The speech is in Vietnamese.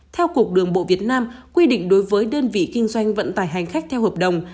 theo cục đường bộ việt nam quy định đối với đơn vị kinh doanh vận tải hành khách theo hợp đồng